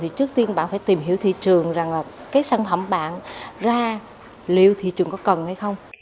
thì trước tiên bạn phải tìm hiểu thị trường rằng là cái sản phẩm bạn ra liệu thị trường có cần hay không